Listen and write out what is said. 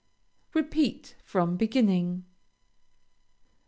repeat from beginning.